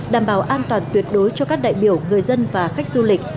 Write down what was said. đảm bảo an toàn tuyệt đối cho các đại biểu người dân và khách du lịch